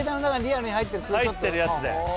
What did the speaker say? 入ってるやつで。